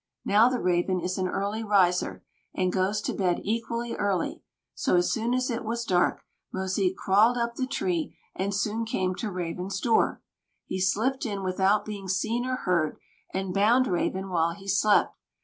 Now the Raven is an early riser, and goes to bed equally early; so, as soon as it was dark, Mosique crawled up the tree, and soon came to Raven's door. He slipped in without being seen or heard, and bound Raven while he slept.